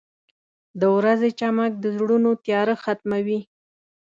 • د ورځې چمک د زړونو تیاره ختموي.